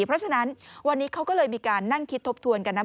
เพราะฉะนั้นวันนี้เขาก็เลยมีการนั่งคิดทบทวนกันนะ